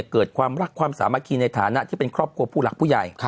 เกิดความรักความสามัคคีในฐานะที่เป็นครอบครัวผู้หลักผู้ใหญ่